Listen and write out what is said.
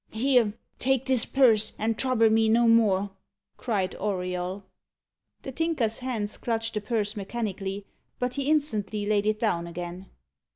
"Here, take this purse, and trouble me no more!" cried Auriol. The Tinker's hands clutched the purse mechanically, but he instantly laid it down again.